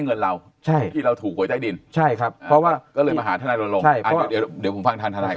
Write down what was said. เงินเราใช่ที่เราถูกโหยใต้ดินใช่ครับเพราะว่าก็เลยมาหาทนายโดนลงเดี๋ยวผมฟังทัน